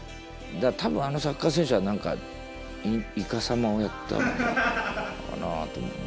だから多分あのサッカー選手は何かいかさまをやったのかなと。